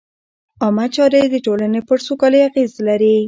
عامه چارې د ټولنې پر سوکالۍ اغېز لري.